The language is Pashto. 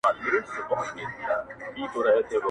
o په یوه شان وه د دواړو معاسونه,